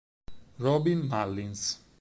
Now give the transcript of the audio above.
Robin Mullins